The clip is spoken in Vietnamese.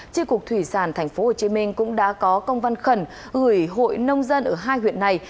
tri cục thủy sản tp hcm cũng đã có công văn khẩn gửi hội nông dân ở hai huyện này